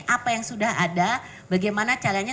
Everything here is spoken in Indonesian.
apa yang sudah ada bagaimana caranya